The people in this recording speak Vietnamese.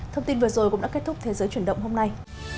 thông tin vừa rồi cũng đã kết thúc thế giới chuyển động hôm nay